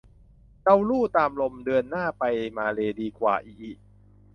เราลู่ตามลม เดือนหน้าไปมาเลย์ดีกว่า อิอิ